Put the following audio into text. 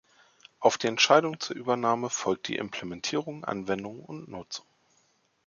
Auf die Entscheidung zur Übernahme folgt die Implementierung, Anwendung und Nutzung.